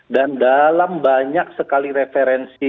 dan dalam banyak sekali referensi